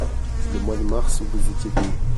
Le mois de mars où vous étiez venus.